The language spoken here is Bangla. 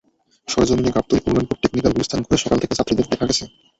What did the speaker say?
সরেজমিনে গাবতলী, কল্যাণপুর, টেকনিক্যাল, গুলিস্তান ঘুরে সকাল থেকে যাত্রীদের দেখা গেছে।